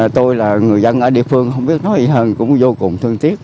tôi là người dân ở địa phương không biết nói gì hơn cũng vô cùng thương tiếc